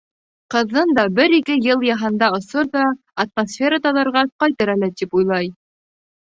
Ҡыҙын да бер-ике йыл йыһанда осор ҙа, атмосфера таҙарғас ҡайтыр әле, тип уйлай.